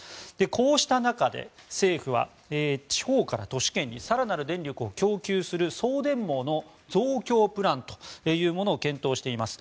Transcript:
こうした中で、政府は地方から都市圏に更なる電力を供給する送電網の増強プランというものを検討しています。